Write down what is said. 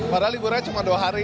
padahal liburnya cuma dua hari